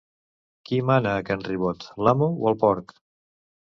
Qui mana a can Ribot, l'amo o el porc?